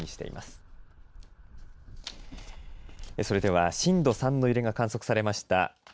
それでは震度３の揺れが観測されました